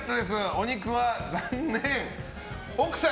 お肉は残念。